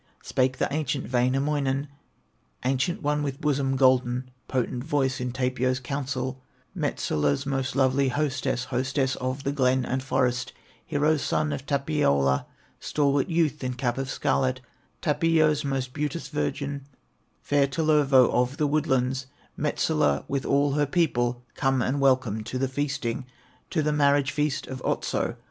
Spake the ancient Wainamoinen: "Ancient one with bosom golden, Potent voice in Tapio's council, Metsola's most lovely hostess, Hostess of the glen and forest, Hero son of Tapiola, Stalwart youth in cap of scarlet, Tapio's most beauteous virgin, Fair Tellervo of the woodlands, Metsola with all her people, Come, and welcome, to the feasting, To the marriage feast of Otso!